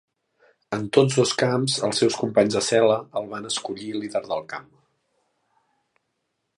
En tots dos camps, els seus companys de cel·la el van escollir líder del camp.